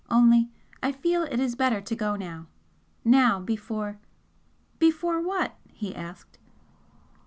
only I feel it is better to go now now, before " "Before what?" he asked.